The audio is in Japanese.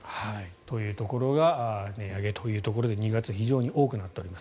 というところが値上げということで２月非常に多くなっております。